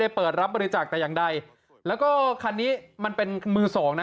เปิดรับบริจาคแต่อย่างใดแล้วก็คันนี้มันเป็นมือสองนะ